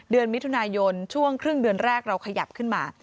เดือนมิถุนายนช่วงครึ่งเดือนแรกเราขยับขึ้นมา